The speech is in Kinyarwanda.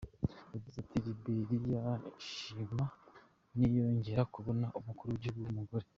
Yagize ati “Liberiya izishima niyongera kubona umukuru w’igihugu w’umugore.